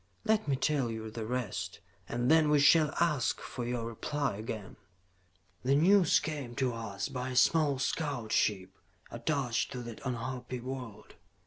Let me tell you the rest, and then we shall ask for your reply again. "The news came to us by a small scout ship attached to that unhappy world.